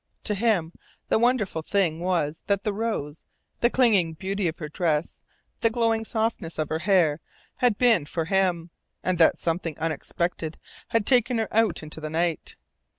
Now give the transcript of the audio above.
To him the wonderful thing was that the rose, the clinging beauty of her dress, the glowing softness of her hair had been for him, and that something unexpected had taken her out into the night.